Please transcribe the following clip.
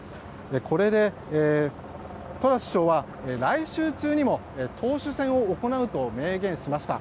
これで、トラス首相は来週中にも党首選を行うと明言しました。